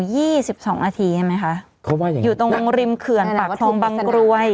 ยี่สิบสองอาทีเห็นไหมคะเขาว่าอย่างงี้อยู่ตรงริมเขื่อนปากท้องบังกลวย